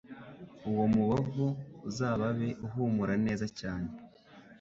uwo mubavu uzababe uhumura neza cyane